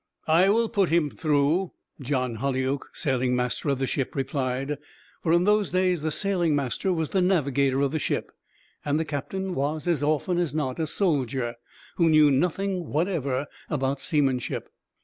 "I will put him through," John Holyoake, sailing master of the ship, replied; for in those days the sailing master was the navigator of the ship, and the captain was as often as not a soldier, who knew nothing whatever about seamanship.